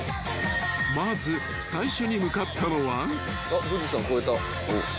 ［まず最初に向かったのは］